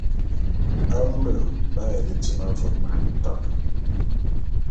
Mbé b'aye liti ma vôm m'ayiane tabe.